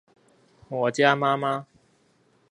我家媽媽